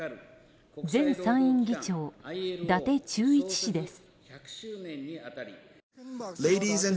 前参院議長、伊達忠一氏です。